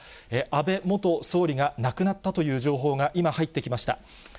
安倍元総理が亡くなったという情報が今、入ってきました。